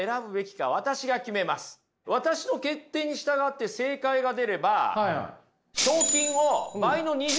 私の決定に従って正解が出ればえ！？